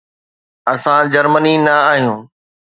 اسان جرمني نه آهيون.